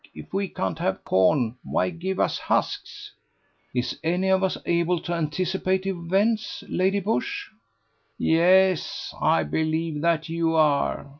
If we can't have corn, why, give us husks." "Is any one of us able to anticipate events, Lady Busshe?" "Yes, I believe that you are.